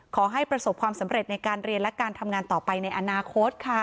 ขอให้ประสบความสำเร็จในการเรียนและการทำงานต่อไปในอนาคตค่ะ